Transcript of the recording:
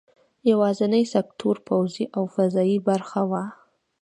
یوازینی سکتور پوځي او فضايي برخه وه.